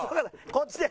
こっちで。